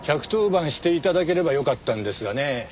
１１０番して頂ければよかったんですがね。